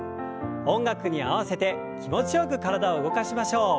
音楽に合わせて気持ちよく体を動かしましょう。